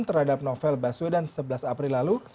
terhadap novel baswedan sebelas april lalu